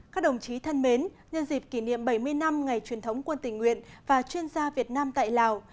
các đồng chí thân mến nhân dịp kỷ niệm bảy mươi năm ngày truyền thống quân tình nguyện và chuyên gia việt nam tại lào